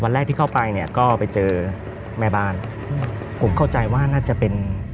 แรกที่เข้าไปเนี่ยก็ไปเจอแม่บ้านผมเข้าใจว่าน่าจะเป็น